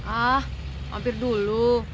ah mampir dulu